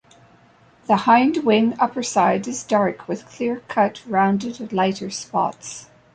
The hindwing upperside is dark with clear cut rounded lighter spots.